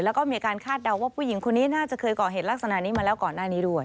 แล้วก็มีการคาดเดาว่าผู้หญิงคนนี้น่าจะเคยก่อเหตุลักษณะนี้มาแล้วก่อนหน้านี้ด้วย